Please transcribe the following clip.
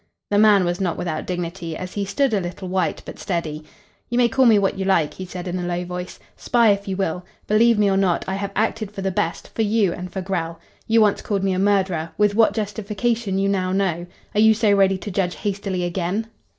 The man was not without dignity, as he stood a little white but steady. "You may call me what you like," he said in a low voice. "Spy, if you will. Believe me or not, I have acted for the best, for you and for Grell. You once called me a murderer with what justification you now know. Are you so ready to judge hastily again?"